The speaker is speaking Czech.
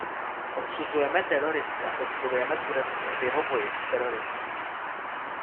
Odsuzujeme teroristy a podporujeme Turecko v jeho boji s terorismem.